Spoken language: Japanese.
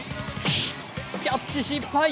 キャッチ失敗。